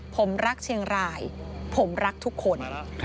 ผมรักเชียงรายผมรักทุกคน